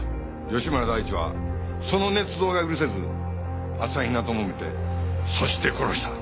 芳村大地はその捏造が許せず朝比奈ともめてそして殺した。